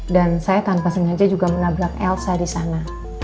dan saya tanpa sengaja juga menabrak elsa disana